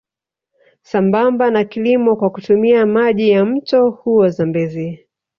Sambamba na kilimo kwa kutumia maji ya mto huo Zambezi